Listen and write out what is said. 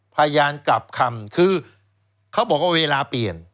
พยานกลับคำคือเขาบอกว่าเวลาเปลี่ยน